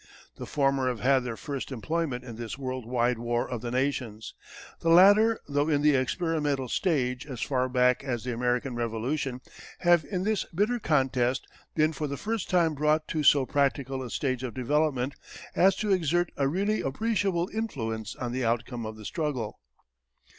The former have had their first employment in this world wide war of the nations. The latter, though in the experimental stage as far back as the American Revolution, have in this bitter contest been for the first time brought to so practical a stage of development as to exert a really appreciable influence on the outcome of the struggle.